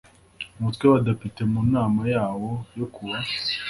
umutwe w abadepite mu nama yawo yo ku wa